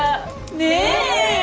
ねえ！